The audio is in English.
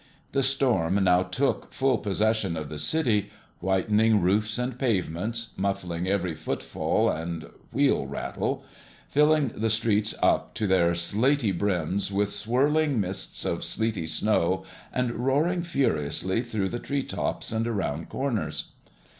The storm now took full possession of the city, whitening roofs and pavements, muffling every footfall and wheel rattle, filling the streets up to their slaty brims with whirling mists of sleety snow, and roaring furiously through the tree tops and around corners.